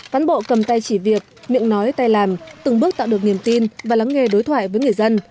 cán bộ cầm tay chỉ việc miệng nói tay làm từng bước tạo được niềm tin và lắng nghe đối thoại với người dân